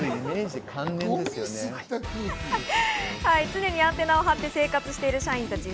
常にアンテナを張って生活している社員たち。